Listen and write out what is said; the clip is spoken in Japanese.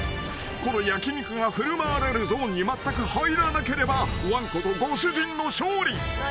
［この焼き肉が振る舞われるゾーンにまったく入らなければわんことご主人の勝利］